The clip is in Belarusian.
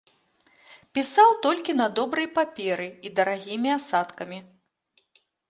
Пісаў толькі на добрай паперы і дарагімі асадкамі.